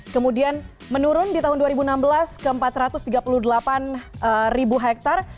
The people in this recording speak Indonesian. kemudian menurun di tahun dua ribu enam belas ke empat ratus tiga puluh delapan ribu hektare